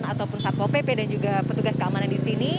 ataupun satpol pp dan juga petugas keamanan di sini